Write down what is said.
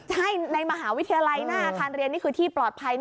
ใช่ในมหาวิทยาลัยหน้าอาคารเรียนนี่คือที่ปลอดภัย